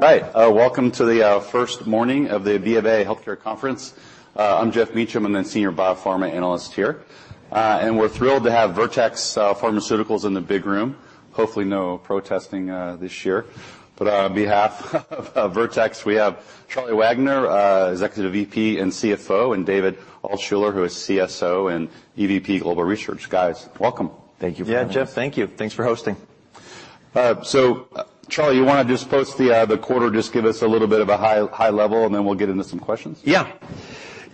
Hi. Welcome to the first morning of the BofA Healthcare Conference. I'm Geoff Meacham. I'm a senior biopharma analyst here. We're thrilled to have Vertex Pharmaceuticals in the big room. Hopefully no protesting this year. On behalf of Vertex, we have Charlie Wagner, Executive VP and CFO, and David Altshuler, who is CSO and EVP Global Research. Guys, welcome. Thank you for having us. Yeah, Geoff, thank you. Thanks for hosting. Charlie, you wanna just post the quarter, just give us a little bit of a high level, and then we'll get into some questions? Yeah.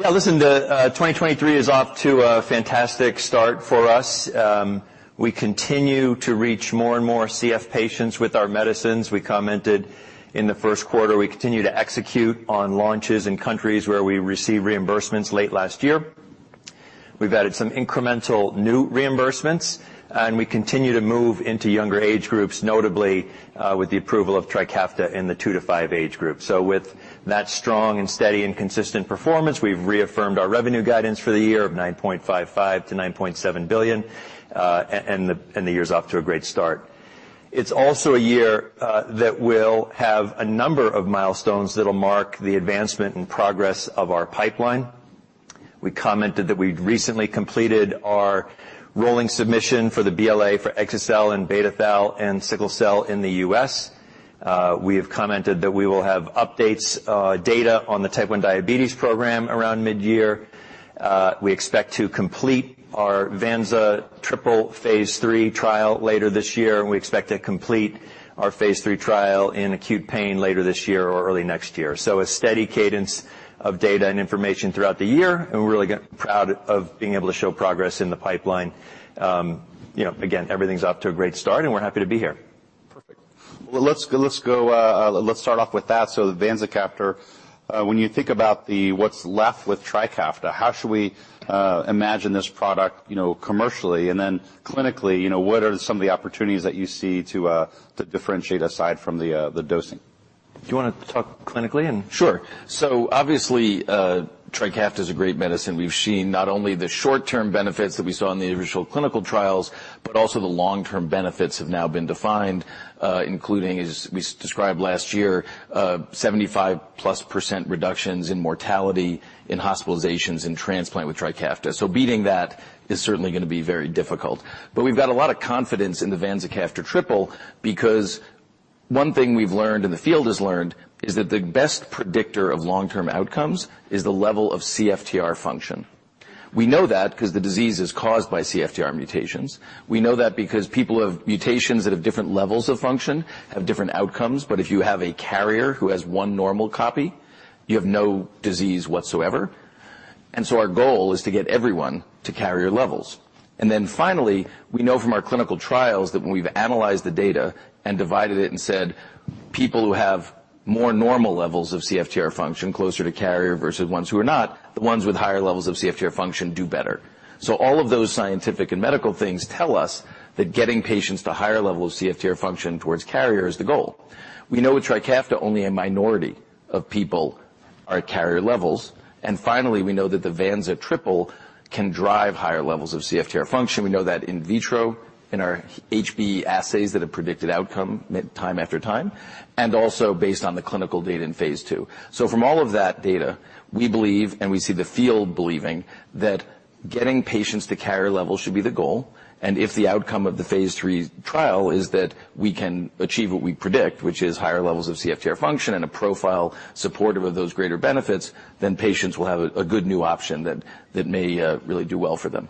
Yeah, listen, the 2023 is off to a fantastic start for us. We continue to reach more and more CF patients with our medicines. We commented in the first quarter, we continue to execute on launches in countries where we received reimbursements late last year. We've added some incremental new reimbursements, and we continue to move into younger age groups, notably, with the approval of TRIKAFTA in the two to five age group. With that strong and steady and consistent performance, we've reaffirmed our revenue guidance for the year of $9.55 billion-$9.7 billion, and the year's off to a great start. It's also a year that will have a number of milestones that'll mark the advancement and progress of our pipeline. We commented that we'd recently completed our rolling submission for the BLA for exa-cel and beta-thal and sickle cell in the U.S. We have commented that we will have updates, data on the Type 1 diabetes program around midyear. We expect to complete our Vanza triple phase III trial later this year, and we expect to complete our phase III trial in acute pain later this year or early next year. A steady cadence of data and information throughout the year, and we're really proud of being able to show progress in the pipeline. You know, again, everything's off to a great start, and we're happy to be here. Perfect. Well, let's go, let's start off with that, so the Vanzacaftor. When you think about what's left with TRIKAFTA, how should we imagine this product, you know, commercially? Clinically, you know, what are some of the opportunities that you see to differentiate aside from the dosing? Do you wanna talk clinically and, Sure. Obviously, TRIKAFTA is a great medicine. We've seen not only the short-term benefits that we saw in the original clinical trials, but also the long-term benefits have now been defined, including, as we described last year, 75%+ reductions in mortality, in hospitalizations, in transplant with TRIKAFTA. Beating that is certainly gonna be very difficult. We've got a lot of confidence in the Vanzacaftor triple because one thing we've learned and the field has learned is that the best predictor of long-term outcomes is the level of CFTR function. We know that because the disease is caused by CFTR mutations. We know that because people who have mutations that have different levels of function have different outcomes, but if you have a carrier who has one normal copy, you have no disease whatsoever. Our goal is to get everyone to carrier levels. Finally, we know from our clinical trials that when we've analyzed the data and divided it and said, "People who have more normal levels of CFTR function closer to carrier versus ones who are not, the ones with higher levels of CFTR function do better." All of those scientific and medical things tell us that getting patients to higher levels of CFTR function towards carrier is the goal. We know with TRIKAFTA, only a minority of people are at carrier levels. Finally, we know that the vanza triple can drive higher levels of CFTR function. We know that in vitro, in our HbF assays that have predicted outcome time after time, and also based on the clinical data in phase two. From all of that data, we believe, and we see the field believing, that getting patients to carrier level should be the goal. If the outcome of the phase three trial is that we can achieve what we predict, which is higher levels of CFTR function and a profile supportive of those greater benefits, then patients will have a good new option that may really do well for them.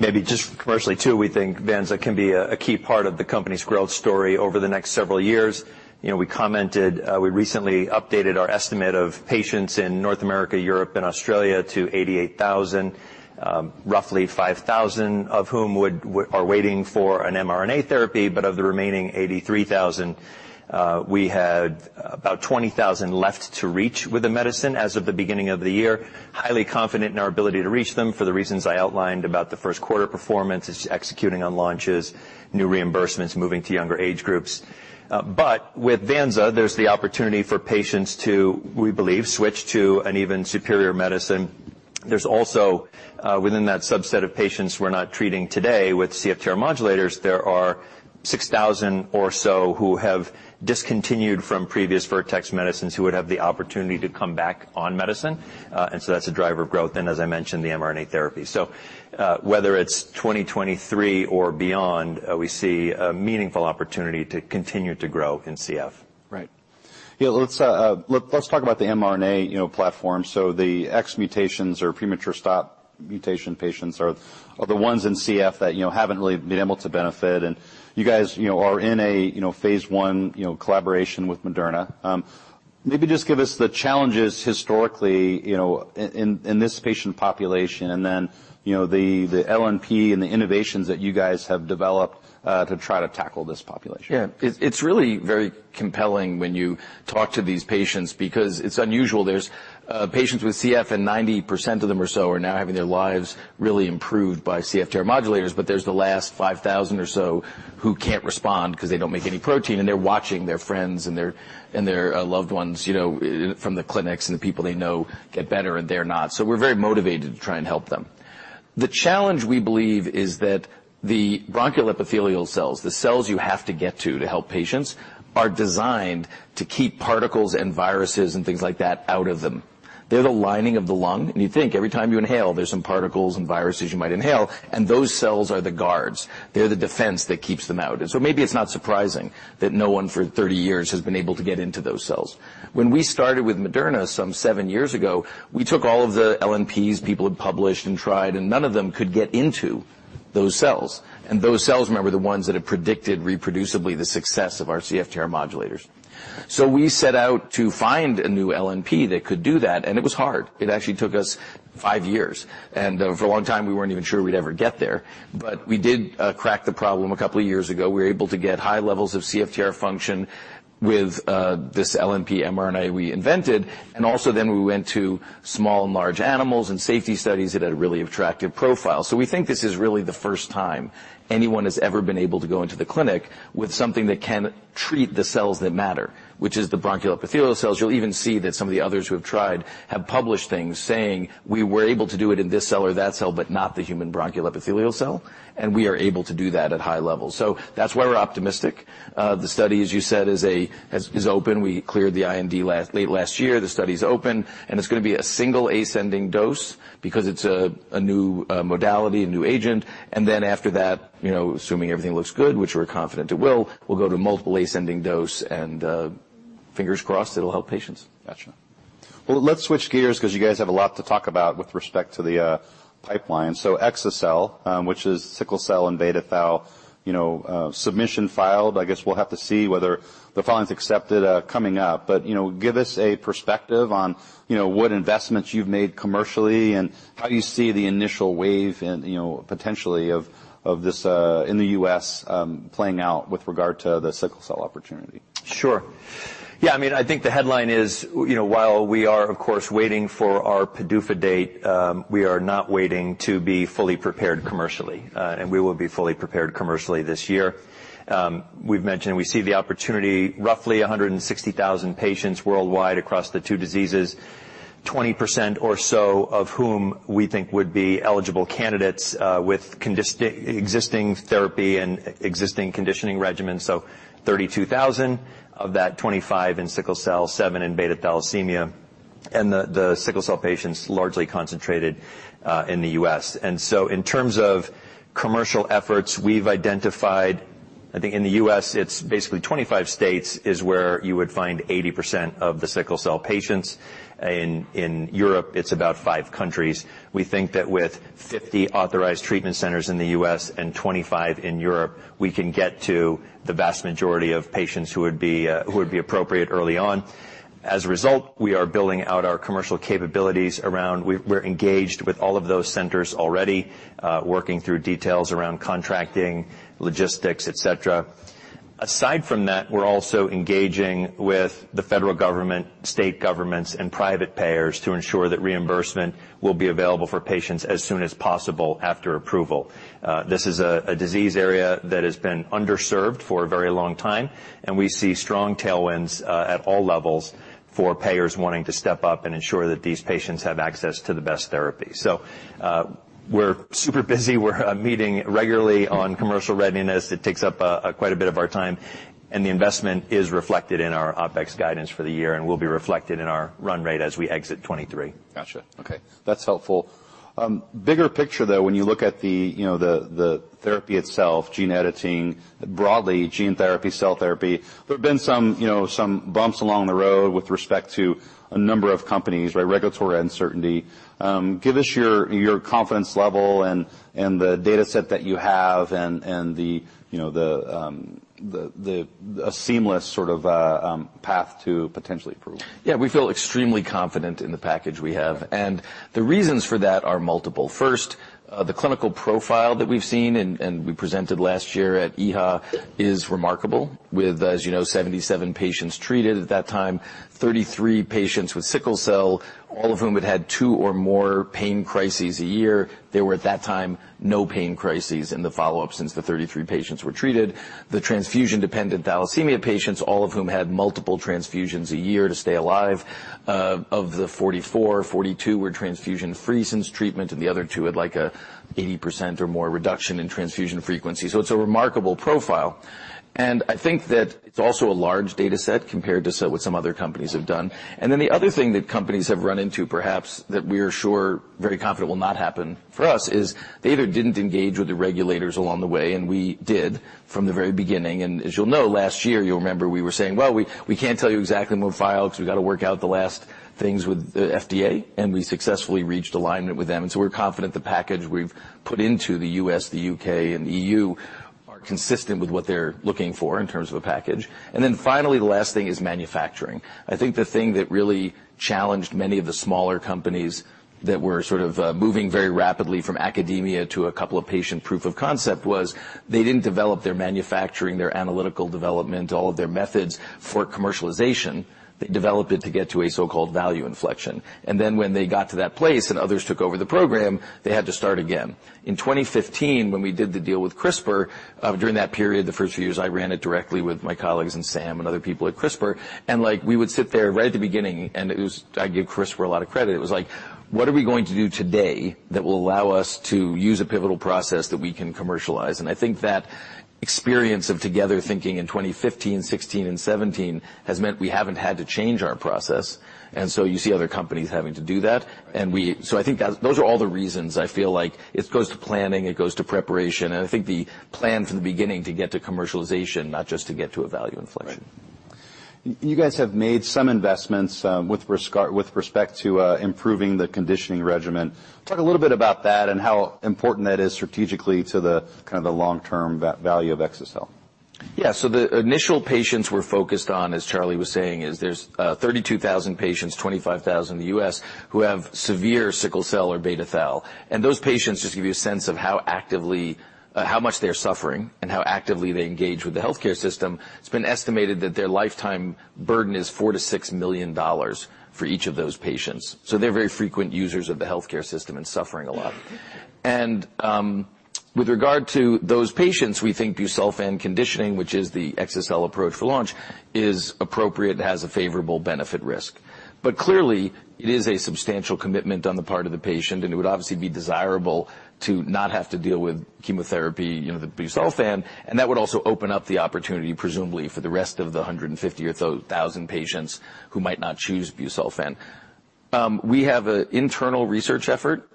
Maybe just commercially too, we think Vanza can be a key part of the company's growth story over the next several years. You know, we commented, we recently updated our estimate of patients in North America, Europe, and Australia to 88,000, roughly 5,000 of whom are waiting for an mRNA therapy. Of the remaining 83,000, we had about 20,000 left to reach with the medicine as of the beginning of the year. Highly confident in our ability to reach them for the reasons I outlined about the first quarter performance. It's executing on launches, new reimbursements, moving to younger age groups. With Vanza, there's the opportunity for patients to, we believe, switch to an even superior medicine. There's also, within that subset of patients we're not treating today with CFTR modulators, there are 6,000 or so who have discontinued from previous Vertex medicines who would have the opportunity to come back on medicine. That's a driver of growth, and as I mentioned, the mRNA therapy. Whether it's 2023 or beyond, we see a meaningful opportunity to continue to grow in CF. Right. Yeah, let's talk about the mRNA, you know, platform. The nonsense mutations or premature stop mutation patients are the ones in CF that, you know, haven't really been able to benefit. You guys, you know, are in a, you know, phase I, you know, collaboration with Moderna. Maybe just give us the challenges historically, you know, in this patient population and then, you know, the LNP and the innovations that you guys have developed to try to tackle this population. It's really very compelling when you talk to these patients because it's unusual. There's patients with CF, and 90% of them or so are now having their lives really improved by CFTR modulators, but there's the last 5,000 or so who can't respond 'cause they don't make any protein, and they're watching their friends and their loved ones, you know, from the clinics and the people they know get better, and they're not. We're very motivated to try and help them. The challenge we believe is that the bronchial epithelial cells, the cells you have to get to help patients, are designed to keep particles and viruses and things like that out of them. They're the lining of the lung, you think every time you inhale, there's some particles and viruses you might inhale, and those cells are the guards. They're the defense that keeps them out. Maybe it's not surprising that no one for 30 years has been able to get into those cells. When we started with Moderna some 7 years ago, we took all of the LNPs people had published and tried, and none of them could get into those cells. Those cells, remember, the ones that have predicted reproducibly the success of our CFTR modulators. We set out to find a new LNP that could do that, and it was hard. It actually took us 5 years. For a long time, we weren't even sure we'd ever get there. We did, crack the problem a couple of years ago. We were able to get high levels of CFTR function with this LNP mRNA we invented. Also then we went to small and large animals and safety studies. It had a really attractive profile. We think this is really the first time anyone has ever been able to go into the clinic with something that can treat the cells that matter, which is the bronchial epithelial cells. You'll even see that some of the others who have tried have published things saying, "We were able to do it in this cell or that cell, but not the human bronchial epithelial cell." We are able to do that at high levels. That's why we're optimistic. The study, as you said, is open. We cleared the IND late last year. The study's open, and it's gonna be a single ascending dose because it's a new modality, a new agent. After that, you know, assuming everything looks good, which we're confident it will, we'll go to multiple ascending dose and fingers crossed, it'll help patients. Gotcha. Well, let's switch gears 'cause you guys have a lot to talk about with respect to the pipeline. exa-cel, which is sickle cell and beta-thal, you know, submission filed. I guess we'll have to see whether the filing's accepted coming up. you know, give us a perspective on, you know, what investments you've made commercially and how you see the initial wave and, you know, potentially of this in the U.S., playing out with regard to the sickle cell opportunity. Sure. Yeah, I mean, I think the headline is, you know, while we are of course waiting for our PDUFA date, we are not waiting to be fully prepared commercially. We will be fully prepared commercially this year. We've mentioned we see the opportunity roughly 160,000 patients worldwide across the two diseases, 20% or so of whom we think would be eligible candidates with existing therapy and existing conditioning regimens. 32,000. Of that, 25 in sickle cell, 7 in beta-thalassemia. The sickle cell patients largely concentrated in the U.S. In terms of commercial efforts, we've identified... I think in the U.S., it's basically 25 states is where you would find 80% of the sickle cell patients. In Europe, it's about 5 countries. We think that with 50 authorized treatment centers in the US and 25 in Europe, we can get to the vast majority of patients who would be, who would be appropriate early on. As a result, we are building out our commercial capabilities. We're engaged with all of those centers already, working through details around contracting, logistics, et cetera. Aside from that, we're also engaging with the federal government, state governments, and private payers to ensure that reimbursement will be available for patients as soon as possible after approval. This is a disease area that has been underserved for a very long time, and we see strong tailwinds, at all levels for payers wanting to step up and ensure that these patients have access to the best therapy. We're super busy. We're meeting regularly on commercial readiness. It takes up, quite a bit of our time, and the investment is reflected in our OPEX guidance for the year and will be reflected in our run rate as we exit 2023. Gotcha. Okay. That's helpful. Bigger picture, though, when you look at the, you know, the therapy itself, gene editing, broadly gene therapy, cell therapy, there have been some, you know, some bumps along the road with respect to a number of companies by regulatory uncertainty. Give us your confidence level and the data set that you have and the, you know, the seamless sort of path to potentially approve. Yeah, we feel extremely confident in the package we have. The reasons for that are multiple. First, the clinical profile that we've seen and we presented last year at EHA is remarkable. With, as you know, 77 patients treated at that time, 33 patients with sickle cell, all of whom had had two or more pain crises a year. There were, at that time, no pain crises in the follow-up since the 33 patients were treated. The transfusion-dependent thalassemia patients, all of whom had multiple transfusions a year to stay alive. Of the 44, 42 were transfusion-free since treatment, and the other two had, like, a 80% or more reduction in transfusion frequency. It's a remarkable profile. I think that it's also a large data set compared to what some other companies have done. The other thing that companies have run into, perhaps, that we are sure, very confident will not happen for us is they either didn't engage with the regulators along the way, we did from the very beginning. As you'll know, last year, you'll remember we were saying, "Well, we can't tell you exactly when we'll file 'cause we've gotta work out the last things with the FDA." We successfully reached alignment with them. So we're confident the package we've put into the US, the UK, and EU are consistent with what they're looking for in terms of a package. Finally, the last thing is manufacturing. I think the thing that really challenged many of the smaller companies that were sort of moving very rapidly from academia to a couple of patient proof of concept was they didn't develop their manufacturing, their analytical development, all of their methods for commercialization. They developed it to get to a so-called value inflection. Then when they got to that place and others took over the program, they had to start again. In 2015 when we did the deal with CRISPR, during that period, the first few years, I ran it directly with my colleagues and Sam and other people at CRISPR. Like, we would sit there right at the beginning, and it was... I give CRISPR a lot of credit. It was like, "What are we going to do today that will allow us to use a pivotal process that we can commercialize?" I think that experience of together thinking in 2015, 2016, and 2017 has meant we haven't had to change our process. You see other companies having to do that. Those are all the reasons I feel like it goes to planning, it goes to preparation, and I think the plan from the beginning to get to commercialization, not just to get to a value inflection. You guys have made some investments with respect to improving the conditioning regimen. Talk a little bit about that and how important that is strategically to the kind of the long-term value of exa-cel? The initial patients we're focused on, as Charlie was saying, is there's 32,000 patients, 25,000 in the U.S. who have severe sickle cell or beta-thal. Those patients, just to give you a sense of how much they are suffering and how actively they engage with the healthcare system, it's been estimated that their lifetime burden is $4 million-$6 million for each of those patients. They're very frequent users of the healthcare system and suffering a lot. With regard to those patients, we think busulfan conditioning, which is the exa-cel approach for launch, is appropriate and has a favorable benefit risk. Clearly, it is a substantial commitment on the part of the patient, and it would obviously be desirable to not have to deal with chemotherapy, you know, the busulfan, and that would also open up the opportunity, presumably, for the rest of the 150,000 patients who might not choose busulfan. We have a internal research effort,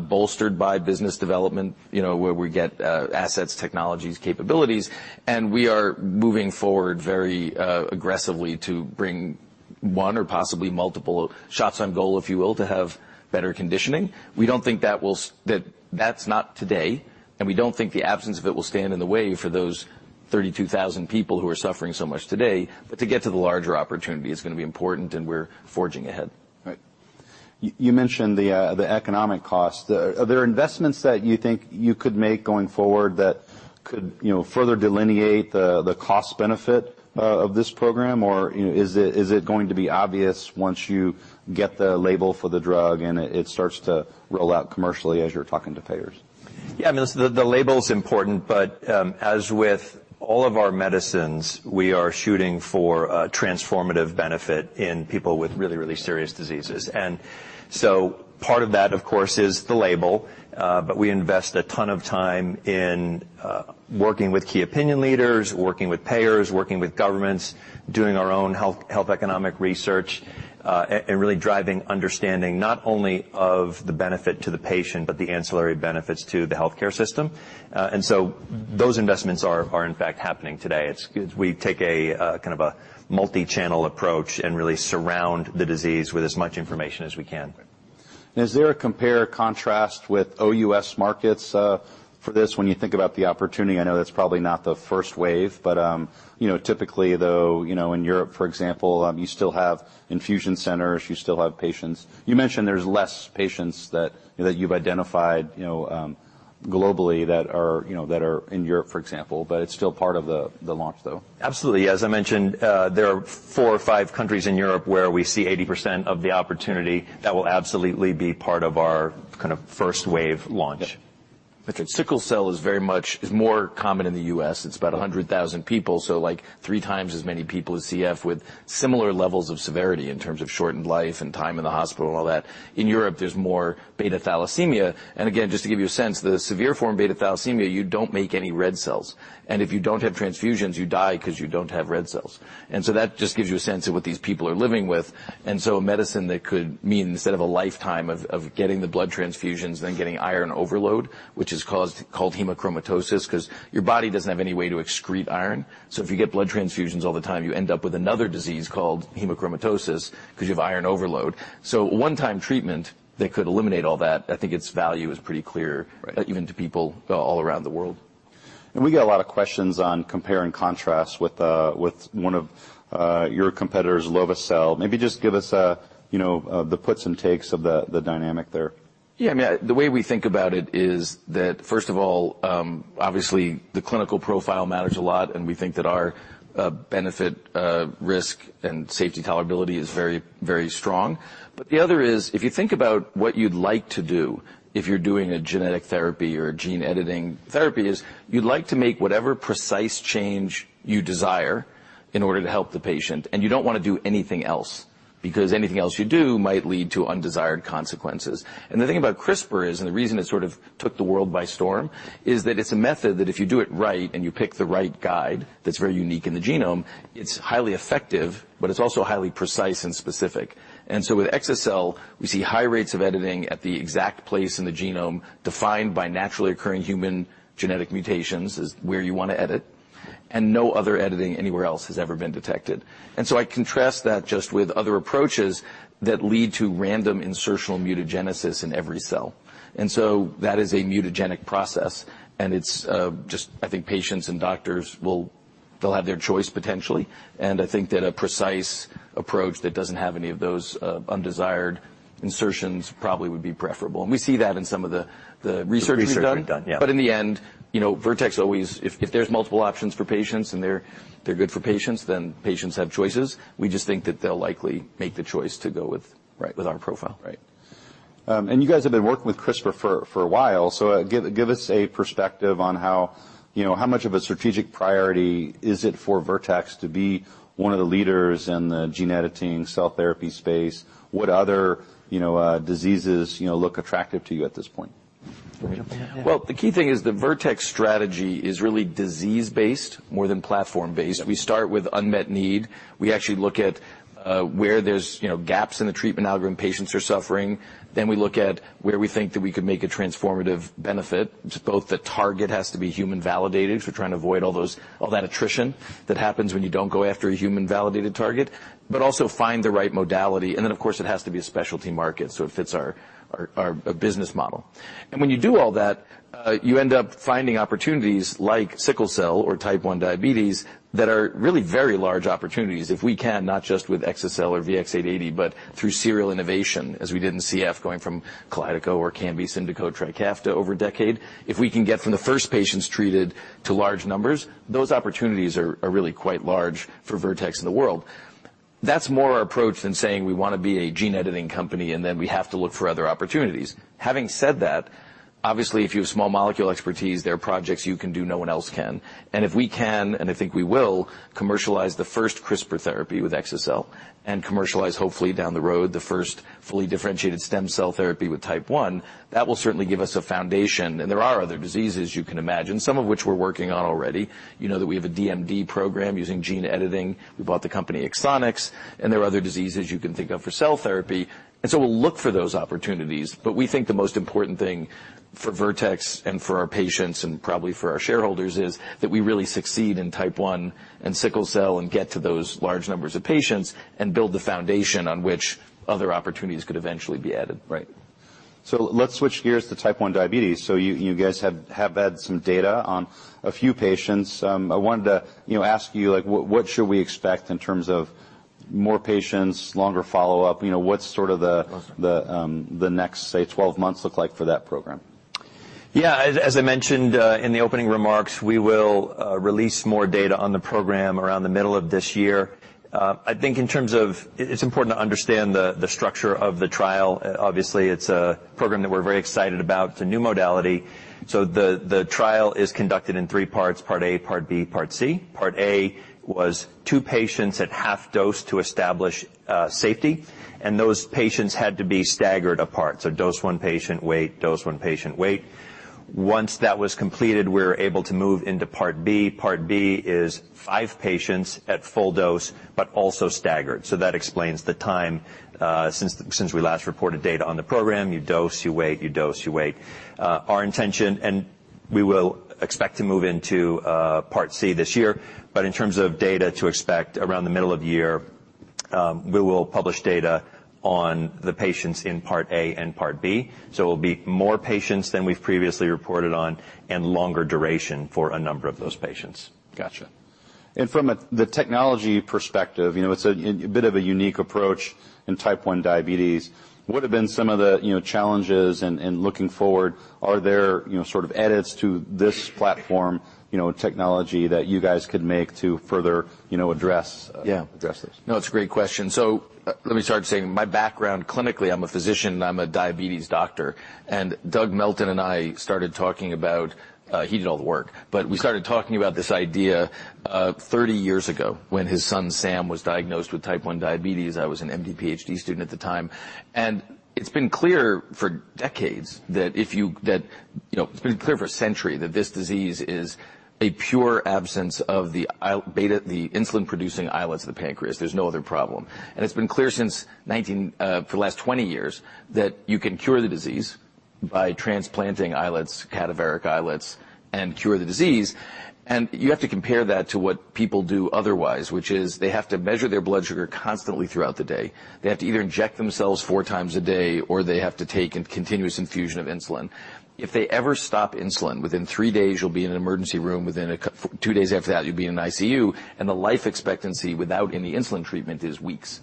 bolstered by business development, you know, where we get assets, technologies, capabilities, and we are moving forward very aggressively to bring one or possibly multiple shots on goal, if you will, to have better conditioning. We don't think That's not today, and we don't think the absence of it will stand in the way for those 32,000 people who are suffering so much today. To get to the larger opportunity is gonna be important, and we're forging ahead. Right. You mentioned the economic cost. Are there investments that you think you could make going forward that could, you know, further delineate the cost benefit of this program? You know, is it going to be obvious once you get the label for the drug and it starts to roll out commercially as you're talking to payers? Yeah, I mean, the label's important, but as with all of our medicines, we are shooting for a transformative benefit in people with really, really serious diseases. Part of that, of course, is the label, but we invest a ton of time in working with key opinion leaders, working with payers, working with governments, doing our own health economic research, and really driving understanding not only of the benefit to the patient, but the ancillary benefits to the healthcare system. Those investments are in fact happening today. We take a kind of a multi-channel approach and really surround the disease with as much information as we can. Is there a compare or contrast with OUS markets, for this when you think about the opportunity? I know that's probably not the first wave, but, you know, typically, though, you know, in Europe, for example, you still have infusion centers, you still have patients. You mentioned there's less patients that you've identified, you know, globally that are, you know, that are in Europe, for example, but it's still part of the launch, though. Absolutely. As I mentioned, there are 4 or 5 countries in Europe where we see 80% of the opportunity that will absolutely be part of our kind of first wave launch. Yeah. Sickle cell is very much is more common in the U.S. It's about 100,000 people, so like three times as many people as CF with similar levels of severity in terms of shortened life and time in the hospital and all that. Again, just to give you a sense, the severe form of beta-thalassemia, you don't make any red cells. If you don't have transfusions, you die because you don't have red cells. That just gives you a sense of what these people are living with. A medicine that could mean instead of a lifetime of getting the blood transfusions, then getting iron overload, which is caused called hemochromatosis, 'cause your body doesn't have any way to excrete iron. If you get blood transfusions all the time, you end up with another disease called hemochromatosis because you have iron overload. One time treatment that could eliminate all that, I think its value is pretty clear. Right even to people all around the world. We get a lot of questions on compare and contrast with one of, your competitors, Lovo-cel. Maybe just give us, you know, the puts and takes of the dynamic there. Yeah, I mean, the way we think about it is that, first of all, obviously, the clinical profile matters a lot, and we think that our benefit, risk, and safety tolerability is very, very strong. The other is, if you think about what you'd like to do, if you're doing a genetic therapy or a gene editing therapy is you'd like to make whatever precise change you desire in order to help the patient, and you don't wanna do anything else because anything else you do might lead to undesired consequences. The thing about CRISPR is, and the reason it sort of took the world by storm, is that it's a method that if you do it right and you pick the right guide that's very unique in the genome, it's highly effective, but it's also highly precise and specific. With exa-cel, we see high rates of editing at the exact place in the genome defined by naturally occurring human genetic mutations is where you wanna edit, and no other editing anywhere else has ever been detected. I contrast that just with other approaches that lead to random insertional mutagenesis in every cell. That is a mutagenic process, and it's just I think patients and doctors they'll have their choice, potentially. I think that a precise approach that doesn't have any of those undesired insertions probably would be preferable. We see that in some of the research we've done. The research you've done. Yeah. In the end, you know, Vertex if there's multiple options for patients and they're good for patients, then patients have choices. We just think that they'll likely make the choice to go with. Right with our profile. Right. You guys have been working with CRISPR for a while, so, give us a perspective on how, you know, how much of a strategic priority is it for Vertex to be one of the leaders in the gene editing cell therapy space? What other, you know, diseases, you know, look attractive to you at this point? Well, the key thing is the Vertex strategy is really disease-based more than platform-based. Yeah. We start with unmet need. We actually look at, you know, where there's gaps in the treatment algorithm, patients are suffering. We look at where we think that we could make a transformative benefit. Both the target has to be human-validated, so we're trying to avoid all that attrition that happens when you don't go after a human-validated target, but also find the right modality. Of course, it has to be a specialty market, so it fits our business model. When you do all that, you end up finding opportunities like sickle cell or Type 1 diabetes that are really very large opportunities if we can, not just with exa-cel or VX-880, but through serial innovation, as we did in CF, going from KALYDECO or ORKAMBI, SYMDEKO, TRIKAFTA over a decade. If we can get from the first patients treated to large numbers, those opportunities are really quite large for Vertex in the world. That's more our approach than saying we wanna be a gene-editing company, then we have to look for other opportunities. Having said that, obviously, if you have small molecule expertise, there are projects you can do no one else can. If we can, and I think we will, commercialize the first CRISPR therapy with exa-cel and commercialize, hopefully down the road, the first fully differentiated stem cell therapy with Type 1, that will certainly give us a foundation. There are other diseases you can imagine, some of which we're working on already. You know that we have a DMD program using gene editing. We bought the company Exonics, there are other diseases you can think of for cell therapy. We'll look for those opportunities. We think the most important thing for Vertex and for our patients and probably for our shareholders is that we really succeed in Type 1 and sickle cell and get to those large numbers of patients and build the foundation on which other opportunities could eventually be added. Right. Let's switch gears to Type 1 diabetes. You guys have had some data on a few patients. I wanted to, you know, ask you, like, what should we expect in terms of more patients, longer follow-up? You know, what's sort of the? Awesome. The next, say, 12 months look like for that program? Yeah. As I mentioned, in the opening remarks, we will release more data on the program around the middle of this year. I think it's important to understand the structure of the trial. Obviously, it's a program that we're very excited about. It's a new modality. The trial is conducted in three parts: part A, part B, part C. Part A was two patients at half dose to establish safety, and those patients had to be staggered apart. Dose one, patient, wait. Dose one patient, wait. Once that was completed, we were able to move into part B. Part B is five patients at full dose but also staggered, that explains the time since we last reported data on the program. You dose, you wait, you dose, you wait. We will expect to move into part C this year. In terms of data to expect around the middle of the year, we will publish data on the patients in part A and part B, so it'll be more patients than we've previously reported on and longer duration for a number of those patients. Gotcha. From the technology perspective, you know, it's a bit of a unique approach in Type 1 diabetes. What have been some of the, you know, challenges? Looking forward, are there, you know, sort of edits to this platform, you know, technology that you guys could make to further, you know, address. Yeah. address this? It's a great question. Let me start saying my background clinically, I'm a physician and I'm a diabetes doctor. Doug Melton and I started talking about, he did all the work, but we started talking about this idea, 30 years ago when his son Sam was diagnosed with Type 1 diabetes. I was an MD-PhD student at the time. It's been clear for decades that, you know, it's been clear for a century that this disease is a pure absence of the beta, the insulin-producing islets of the pancreas. There's no other problem. It's been clear since for the last 20 years that you can cure the disease by transplanting islets, cadaveric islets, and cure the disease. You have to compare that to what people do otherwise, which is they have to measure their blood sugar constantly throughout the day. They have to either inject themselves 4 times a day or they have to take a continuous infusion of insulin. If they ever stop insulin, within 3 days you'll be in an emergency room. Within 2 days after that, you'll be in an ICU, and the life expectancy without any insulin treatment is weeks.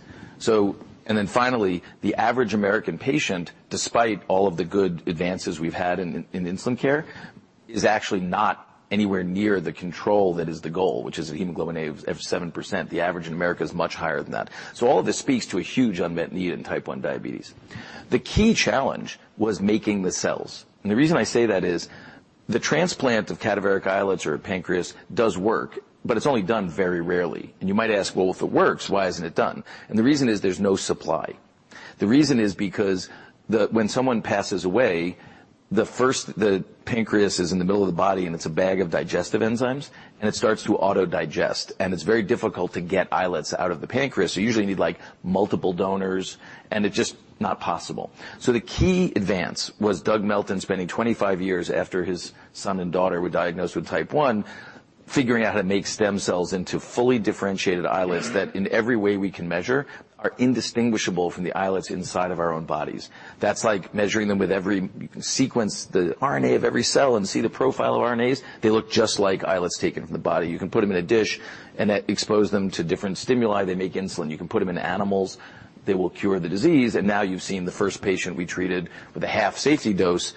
Finally, the average American patient, despite all of the good advances we've had in insulin care, is actually not anywhere near the control that is the goal, which is a hemoglobin A1F of 7%. The average in America is much higher than that. All of this speaks to a huge unmet need in Type 1 diabetes. The key challenge was making the cells. The reason I say that is the transplant of cadaveric islets or pancreas does work, but it's only done very rarely. You might ask, "Well, if it works, why isn't it done?" The reason is there's no supply. The reason is because when someone passes away, the pancreas is in the middle of the body, and it's a bag of digestive enzymes, and it starts to auto-digest, and it's very difficult to get islets out of the pancreas. You usually need, like, multiple donors, and it's just not possible. The key advance was Doug Melton spending 25 years after his son and daughter were diagnosed with Type 1, figuring out how to make stem cells into fully differentiated islets that in every way we can measure are indistinguishable from the islets inside of our own bodies. That's like measuring them with every sequence, the RNA of every cell, and see the profile of RNAs. They look just like islets taken from the body. You can put them in a dish and expose them to different stimuli. They make insulin. You can put them in animals. They will cure the disease. Now you've seen the first patient we treated with a half safety dose.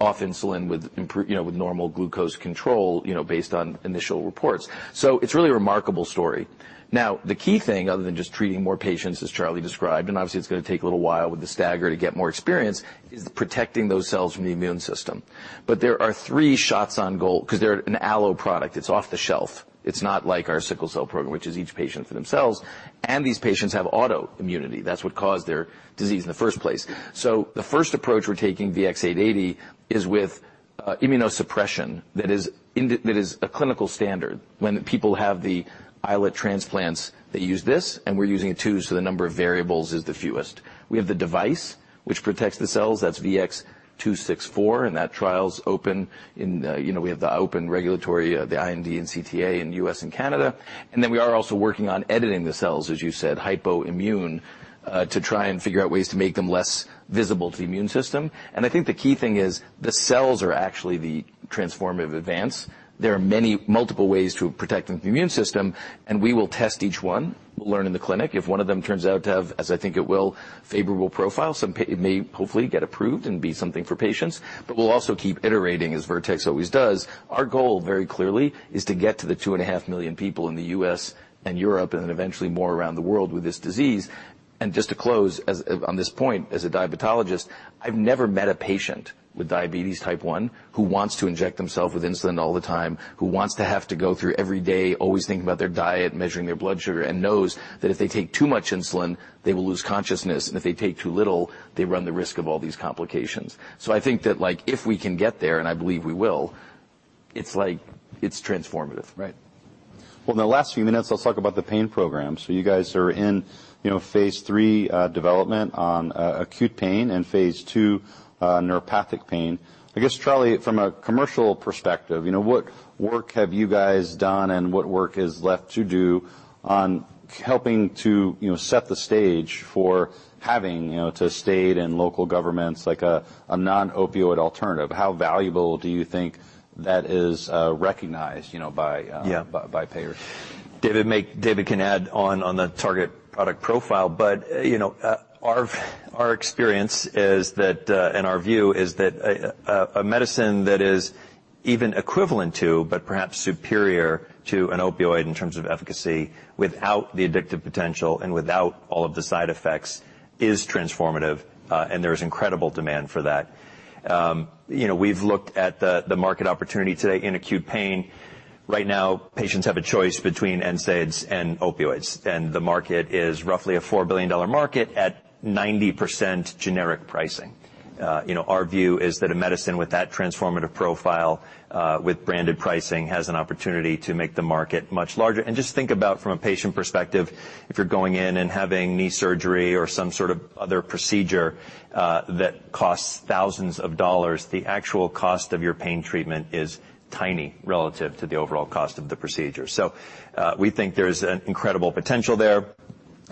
Off insulin with you know, with normal glucose control, you know, based on initial reports. It's really a remarkable story. The key thing other than just treating more patients, as Charlie described, and obviously it's gonna take a little while with the stagger to get more experience, is protecting those cells from the immune system. There are three shots on goal 'cause they're an allo product. It's off the shelf. It's not like our sickle cell program, which is each patient for themselves, and these patients have autoimmunity. That's what caused their disease in the first place. The first approach we're taking VX-880 is with immunosuppression that is a clinical standard. When people have the islet transplants, they use this, and we're using it too, so the number of variables is the fewest. We have the device which protects the cells, that's VX-264, and that trial's open in, you know, we have the open regulatory, the IND and CTA in U.S. and Canada. We are also working on editing the cells, as you said, hypoimmune, to try and figure out ways to make them less visible to the immune system. I think the key thing is the cells are actually the transformative advance. There are many... Multiple ways to protect them from the immune system, we will test each one, learn in the clinic. If one of them turns out to have, as I think it will, favorable profile, it may hopefully get approved and be something for patients. We'll also keep iterating, as Vertex always does. Our goal, very clearly, is to get to the 2.5 million people in the U.S. and Europe, and then eventually more around the world with this disease. Just to close as on this point, as a diabetologist, I've never met a patient with diabetes type one who wants to inject themself with insulin all the time, who wants to have to go through every day always thinking about their diet, measuring their blood sugar, and knows that if they take too much insulin, they will lose consciousness, and if they take too little, they run the risk of all these complications. I think that, like, if we can get there, and I believe we will, it's like. It's transformative. Right. Well, in the last few minutes, let's talk about the pain program. You guys are in, you know, phase three development on acute pain and phase two neuropathic pain. I guess, Charlie, from a commercial perspective, you know, what work have you guys done and what work is left to do on helping to, you know, set the stage for having, you know, to state and local governments like a non-opioid alternative? How valuable do you think that is, recognized, you know? Yeah by payers? David can add on the target product profile, but, you know, our experience is that, and our view is that a medicine that is even equivalent to, but perhaps superior to an opioid in terms of efficacy, without the addictive potential and without all of the side effects is transformative, and there is incredible demand for that. You know, we've looked at the market opportunity today in acute pain. Right now, patients have a choice between NSAIDs and opioids, and the market is roughly a $4 billion market at 90% generic pricing. You know, our view is that a medicine with that transformative profile, with branded pricing, has an opportunity to make the market much larger. Just think about from a patient perspective, if you're going in and having knee surgery or some sort of other procedure, that costs thousands of dollars, the actual cost of your pain treatment is tiny relative to the overall cost of the procedure. We think there's an incredible potential there.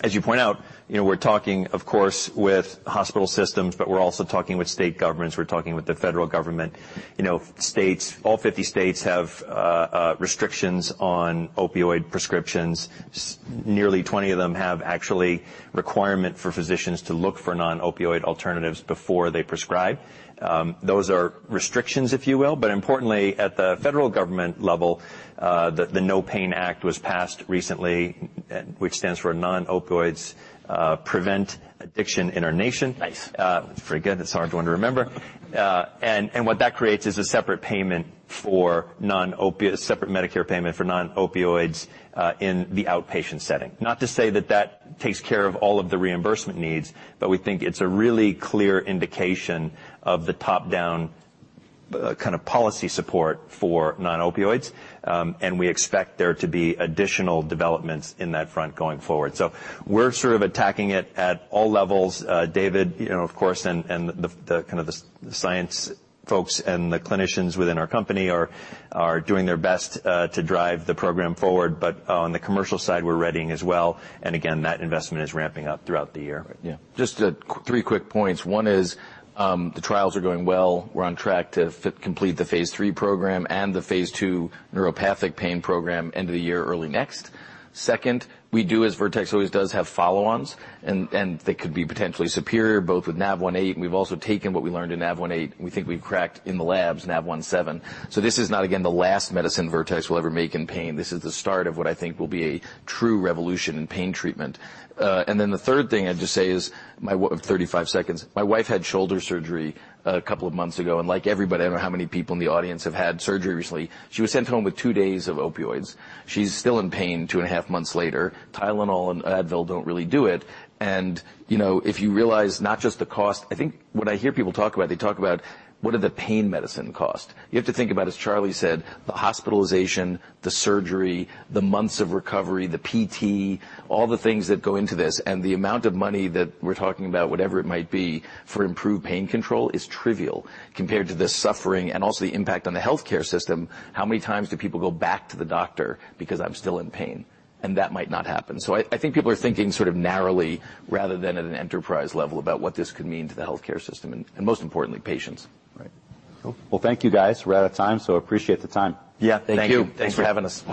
As you point out, you know, we're talking of course with hospital systems, but we're also talking with state governments, we're talking with the federal government. You know, all 50 states have restrictions on opioid prescriptions. Nearly 20 of them have actually requirement for physicians to look for non-opioid alternatives before they prescribe. Those are restrictions, if you will, but importantly, at the federal government level, the NOPAIN Act was passed recently, which stands for Non-Opioids Prevent Addiction in Our Nation. Nice. It's pretty good. It's a hard one to remember. What that creates is a separate Medicare payment for non-opioids in the outpatient setting. Not to say that that takes care of all of the reimbursement needs, but we think it's a really clear indication of the top-down kind of policy support for non-opioids. We expect there to be additional developments in that front going forward. We're sort of attacking it at all levels. David, you know, of course, and the kind of the science folks and the clinicians within our company are doing their best to drive the program forward. On the commercial side, we're readying as well. Again, that investment is ramping up throughout the year. Yeah. Just three quick points. One is, the trials are going well. We're on track to complete the phase III program and the phase II neuropathic pain program end of the year or early next. Second, we do, as Vertex always does, have follow-ons and they could be potentially superior both with NAV18. We've also taken what we learned in NAV18, and we think we've cracked in the labs NaV17. This is not, again, the last medicine Vertex will ever make in pain. This is the start of what I think will be a true revolution in pain treatment. The third thing I'd just say is my 35 seconds. My wife had shoulder surgery a couple of months ago, and like everybody, I don't know how many people in the audience have had surgery recently. She was sent home with two days of opioids. She's still in pain two and a half months later. Tylenol and Advil don't really do it. You know, if you realize not just the cost, I think what I hear people talk about, they talk about what are the pain medicine cost. You have to think about, as Charlie said, the hospitalization, the surgery, the months of recovery, the PT, all the things that go into this, and the amount of money that we're talking about, whatever it might be, for improved pain control is trivial compared to the suffering and also the impact on the healthcare system. How many times do people go back to the doctor because I'm still in pain? That might not happen. I think people are thinking sort of narrowly rather than at an enterprise level about what this could mean to the healthcare system and most importantly, patients. Right. Cool. Well, thank you guys. We're out of time, so appreciate the time. Yeah. Thank you. Thank you. Thanks for having us.